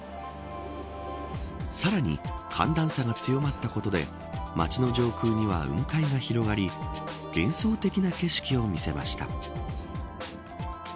さらに寒暖差が強まったことで町の上空には雲海が広がり幻想的な景色を見せました。